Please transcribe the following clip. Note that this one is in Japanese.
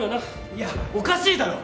いやおかしいだろ！